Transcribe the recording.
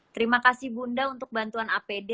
terima kasih bunda untuk bantuan apd